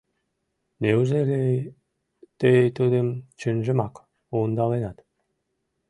— Неужели тый тудым чынжымак... ондаленат?